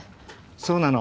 そうなの。